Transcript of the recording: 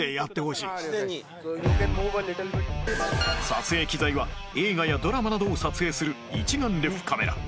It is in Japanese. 撮影機材は映画やドラマなどを撮影する一眼レフカメラ